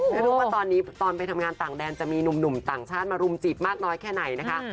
ไม่รู้ว่าตอนนี้ตอนไปทำงานต่างแดนจะมีหนุ่มต่างชาติมารุมจีบมากน้อยแค่ไหนนะคะ